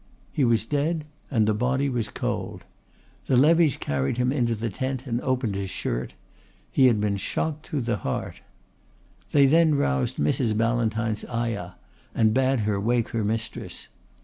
He was dead and the body was cold. The levies carried him into the tent and opened his shirt. He had been shot through the heart. They then roused Mrs. Ballantyne's ayah and bade her wake her mistress.